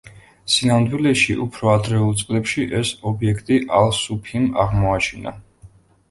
სინამდვილეში, უფრო ადრეულ წლებში ეს ობიექტი ალ-სუფიმ აღმოაჩინა.